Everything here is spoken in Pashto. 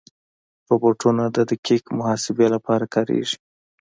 روبوټونه د دقیق محاسبې لپاره کارېږي.